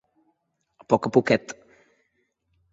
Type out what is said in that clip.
A poc a poquet.